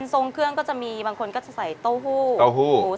ส่งเครื่องก็จะมีบางคนก็จะใส่โต้หู้